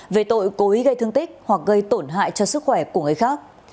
về tội cố ý gây thương tích hoặc gây tổn hại cho sức khỏe của người khác